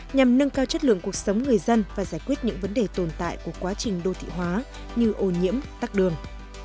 nhằm nâng cao chất lượng cuộc sống người dân và giải quyết những vấn đề tồn tại của quá trình đô thị hóa như ô nhiễm tắc đường